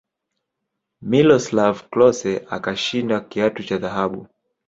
miloslav klose akashinda kiatu cha dhahabu